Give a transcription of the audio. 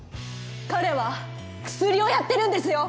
彼はクスリをやってるんですよ！